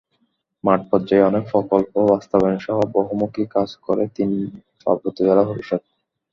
মাঠপর্যায়ে অনেক প্রকল্প বাস্তবায়নসহ বহুমুখী কাজ করে তিন পার্বত্য জেলা পরিষদ।